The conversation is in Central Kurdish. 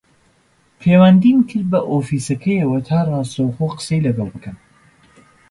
پەیوەندیم کرد بە ئۆفیسەکەیەوە تا ڕاستەوخۆ قسەی لەگەڵ بکەم